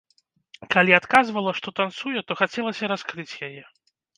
Калі адказвала, што танцуе, то хацелася раскрыць яе.